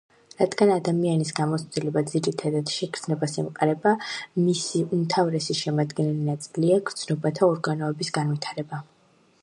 რადგან ადამიანის გამოცდილება ძირითადად შეგრძნებას ემყარება, მისი მისი უმთავრესი შემადგენელი ნაწილია გრძნობათა ორგანოების განვითარება.